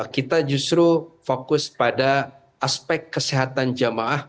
kita justru fokus pada aspek kesehatan jemaah